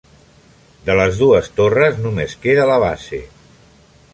De les dues torres només queda la base.